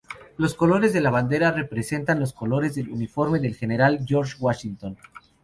Los colores de la bandera representan los colores del uniforme del General George Washington.